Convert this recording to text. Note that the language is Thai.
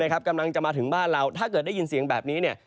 กำลังจะมาถึงบ้านเราถ้าเกิดได้ยินเสียงแบบนี้